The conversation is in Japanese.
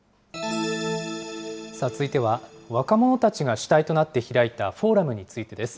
続いては、若者たちが主体となって開いたフォーラムについてです。